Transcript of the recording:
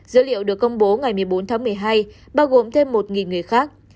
dữ liệu được công bố ngày một mươi bốn tháng một mươi hai bao gồm thêm một người khác